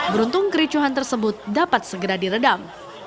beruntung kericuhan tersebut dapat segera diredam